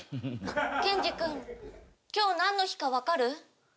ケンジ君今日なんの日かわかる？